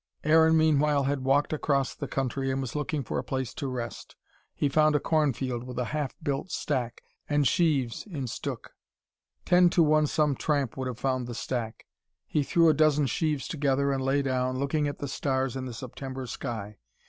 Aaron meanwhile had walked across the country and was looking for a place to rest. He found a cornfield with a half built stack, and sheaves in stook. Ten to one some tramp would have found the stack. He threw a dozen sheaves together and lay down, looking at the stars in the September sky.